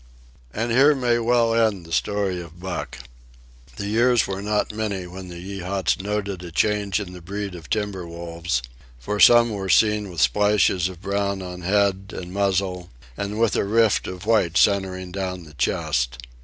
And here may well end the story of Buck. The years were not many when the Yeehats noted a change in the breed of timber wolves; for some were seen with splashes of brown on head and muzzle, and with a rift of white centring down the chest.